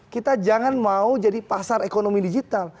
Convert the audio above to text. kita jangan mau jadi pasar ekonomi digital